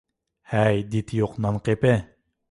ھەي، دىتى يوق نانقېپى!